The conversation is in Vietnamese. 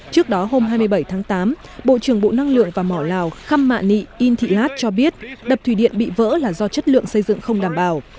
trước đó hôm hai mươi bảy tháng tám bộ trưởng bộ năng lượng và mỏ lào khăm mạ nị in thị lát cho biết đập thủy điện bị vỡ là do chất lượng xây dựng không đảm bảo